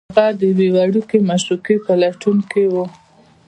هغه د یوې ورکې معشوقې په لټون کې و